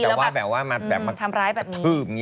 แต่ว่าแบบว่ามาแบบมาทำร้ายแบบนี้